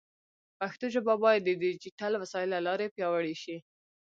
پښتو ژبه باید د ډیجیټل وسایلو له لارې پیاوړې شي.